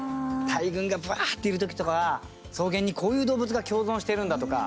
大群が、ばーっといる時とか草原に、こういう動物が共存してるんだとか。